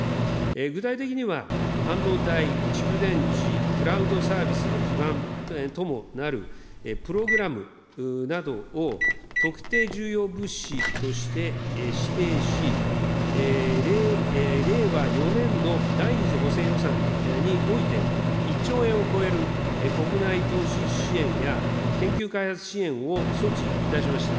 具体的には、半導体、蓄電池、クラウドサービスの基盤ともなるプログラムなどを、特定重要物資として指定し、令和４年度第２次補正予算において、１兆円を超える国内投資支援や、研究開発支援を措置いたしました。